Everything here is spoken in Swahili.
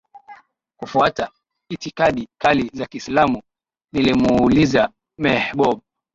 kufuata itikadi kali za Kiislamu Nilimuuliza Mehboob